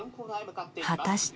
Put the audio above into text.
果たして。